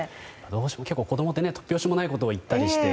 どうしても子供って突拍子もないことを言ったりして。